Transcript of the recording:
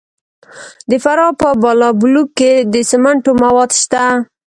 د فراه په بالابلوک کې د سمنټو مواد شته.